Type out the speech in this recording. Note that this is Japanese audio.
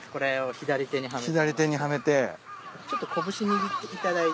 左手にはめて。